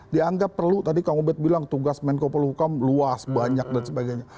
dianggap perlu tadi kang ubed bilang tugas menko pol hukum luar negara